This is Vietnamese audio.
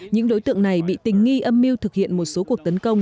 những đối tượng này bị tình nghi âm mưu thực hiện một số cuộc tấn công